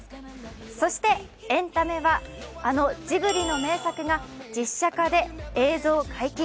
そしてエンタメはあのジブリの名作が実写化で映像解禁。